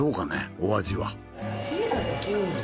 お味は。